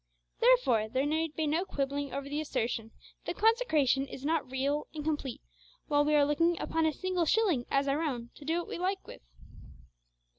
Therefore there need be no quibbling over the assertion that consecration is not real and complete while we are looking upon a single shilling as our own to do what we like with.